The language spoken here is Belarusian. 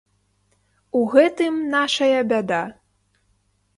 У гэтым нашая бяда.